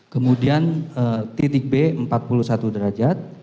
kemudian titik b empat puluh satu derajat